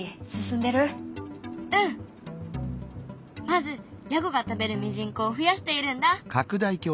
まずヤゴが食べるミジンコを増やしているんだ。